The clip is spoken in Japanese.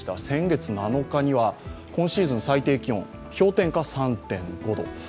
先月７日には今シーズン最低気温、氷点下３．５度。